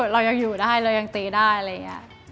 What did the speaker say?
เรายังอยู่ได้เรายังตีได้อะไรอย่างนี้